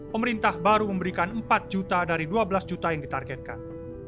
pemerintah baru memberikan empat juta dari dua belas juta yang ditargetkan